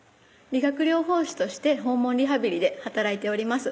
理学療法士として訪問リハビリで働いております